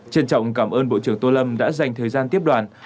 trân trọng cảm ơn bộ trưởng tô lâm đã dành thời gian tiếp đoàn